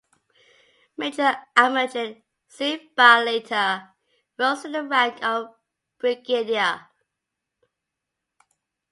Major Amarjit Singh Bal later rose to the rank of Brigadier.